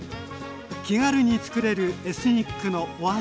気軽に作れるエスニックのお味